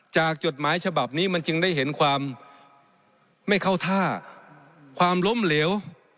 จดหมายฉบับนี้มันจึงได้เห็นความไม่เข้าท่าความล้มเหลว